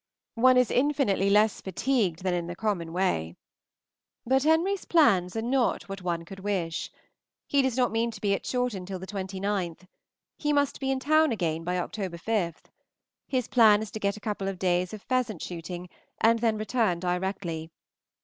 One is infinitely less fatigued than in the common way. But Henry's plans are not what one could wish. He does not mean to be at Chawton till the 29th. He must be in town again by Oct. 5. His plan is to get a couple of days of pheasant shooting and then return directly.